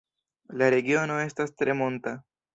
La regiono estas tre monta.